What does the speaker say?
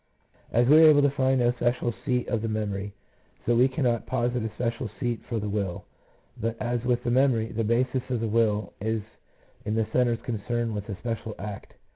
As we were able to find no special seat of the memory, so we cannot posit a special seat for the will ; but as with the memory, the basis of the will is in the centres concerned with the special act.